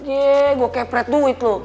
yee gua kepret duit lu